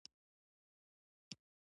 استاد د رڼا په لور د لارې مشعل دی.